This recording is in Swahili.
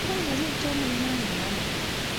kuenea na kukusanywa hadi vikaunda Agano Jipya